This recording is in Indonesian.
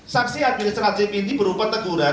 sanksi administrasi pindih berupa teguran